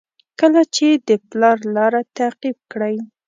کله چې د پلار لاره تعقیب کړئ.